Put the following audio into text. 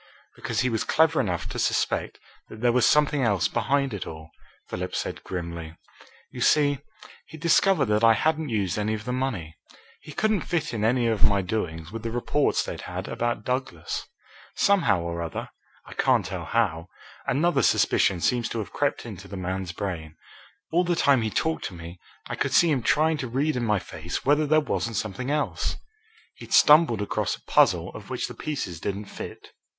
"Because he was clever enough to suspect that there was something else behind it all," Philip said grimly. "You see, he'd discovered that I hadn't used any of the money. He couldn't fit in any of my doings with the reports they'd had about Douglas. Somehow or other I can't tell how another suspicion seems to have crept into the man's brain. All the time he talked to me I could see him trying to read in my face whether there wasn't something else! He'd stumbled across a puzzle of which the pieces didn't fit.